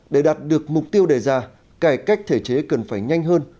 để đạt được mục tiêu đề ra cải cách thể chế cần phải nhanh hơn